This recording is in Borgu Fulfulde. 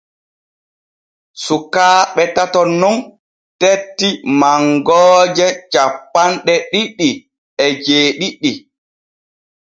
Sukaaɓe tato nun tetti mangooje cappanɗe ɗiɗi e jeeɗiɗi.